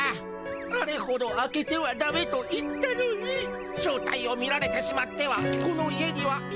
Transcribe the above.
「あれほど開けてはダメと言ったのに正体を見られてしまってはこの家にはいられません」。